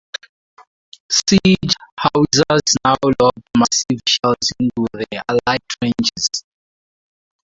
Siege howitzers now lobbed massive shells into the Allied trenches.